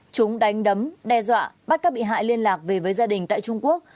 chúng đánh đấm đe dọa bắt các bị hại liên lạc về với gia đình tại trung quốc